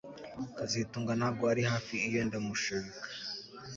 kazitunga ntabwo ari hafi iyo ndamushaka